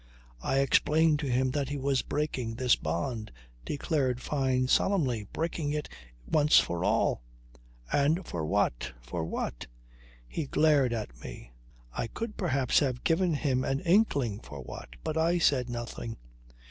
"I explained to him that he was breaking this bond," declared Fyne solemnly. "Breaking it once for all. And for what for what?" He glared at me. I could perhaps have given him an inkling for what, but I said nothing.